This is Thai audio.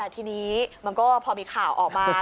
ทีนี้มันก็พอมีข่าวออกมา